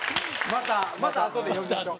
またまたあとで呼びましょう。